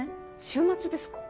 週末ですか？